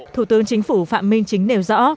thủ tướng chính phủ phạm minh chính nêu rõ